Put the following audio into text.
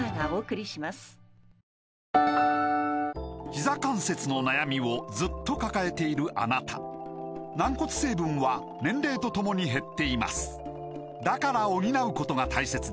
ひざ関節の悩みをずっと抱えているあなた軟骨成分は年齢とともに減っていますだから補うことが大切です